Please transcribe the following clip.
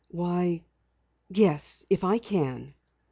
"Why, yes, if I can."